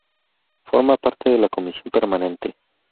Forma parte de la Comisión Permanente.